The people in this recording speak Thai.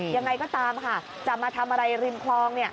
ยังไงก็ตามค่ะจะมาทำอะไรริมคลอง